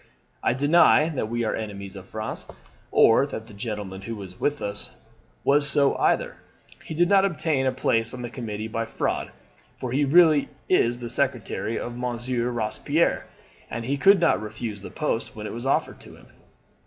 I deny that we are enemies of France, or that the gentleman who was with us was so either. He did not obtain a place on the committee by fraud, for he was really the secretary of Monsieur Robespierre, and he could not refuse the post when it was offered to him.'